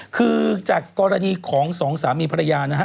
คือจากกรณีของสองสามีภรรยานะฮะ